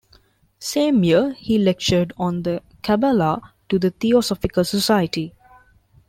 Same year he lectured on the Kabbalah to the Theosophical Society.